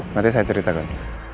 nanti saya ceritakan